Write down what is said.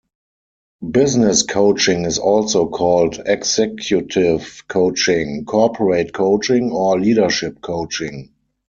Business coaching is also called executive coaching, corporate coaching or leadership coaching.